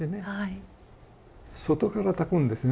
外からたくんですね。